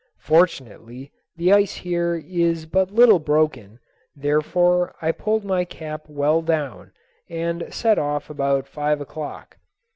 Fortunately the ice here is but little broken, therefore I pulled my cap well down and set off about five o'clock.